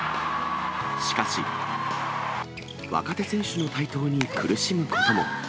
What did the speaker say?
しかし、若手選手の台頭に苦しむことも。